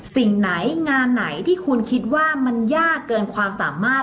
สิ่งไหนงานไหนที่คุณคิดว่ามันยากเกินความสามารถ